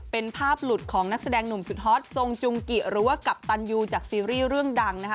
เป็นภาพหลุดของนักแสดงหนุ่มสุดฮอตทรงจุงกิหรือว่ากัปตันยูจากซีรีส์เรื่องดังนะคะ